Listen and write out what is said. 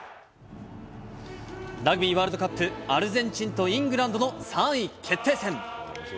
ラグビーワールドカップ、アルゼンチンとイングランドの３位決定戦。